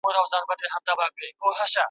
په باغ کې د ګلانو پالنه یو ډېر ښه مصروفیت دی.